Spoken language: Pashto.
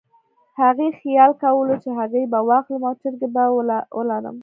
هغې خیال کولو چې هګۍ به واخلم او چرګې به ولرم.